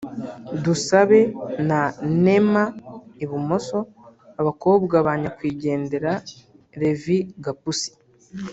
Dusabe na Neema (ibumoso) abakobwa ba nyakwigendera Rev Gapusi